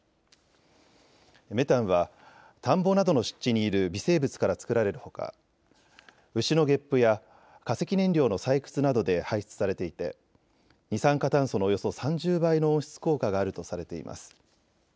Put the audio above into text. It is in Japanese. メタンは田んぼなどの湿地にいる微生物から作られるほか牛のゲップや化石燃料の採掘などで排出されていて二酸化炭素のおよそ３０倍の温室効果があるとされています。